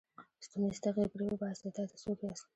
ستونی ستغ یې پرې وباسئ، تاسې څوک یاست؟